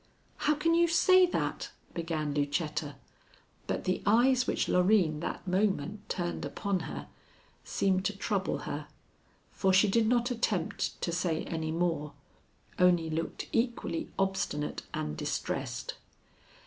"How can you say that?" began Lucetta, but the eyes which Loreen that moment turned upon her seemed to trouble her, for she did not attempt to say any more only looked equally obstinate and distressed.